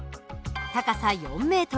高さ４ｍ